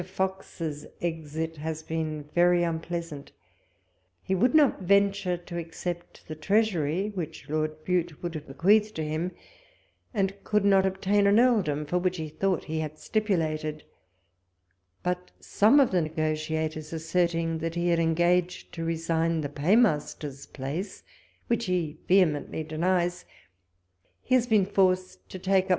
Fox's exit has been very unpleasant. He would not venture to accept the Treasuiy, which Lord Bute would have bequeathed to him ; and could not obtain an earhloni, for which he thought he had stipulated ; but some of the negotiators asserting that he had engaged to resign the Paymaster's place, which he ve hemently denies, he has been forced to take up U'ALPOLK 8 LETTERS.